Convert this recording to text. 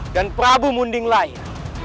dan prabu munding laya